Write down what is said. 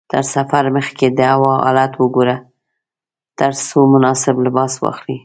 تر سفر مخکې د هوا حالت وګوره ترڅو مناسب لباس واخلې.